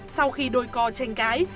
sau khi đôi co tranh cãi